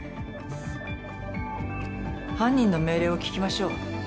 犯人の命令を聞きましょう。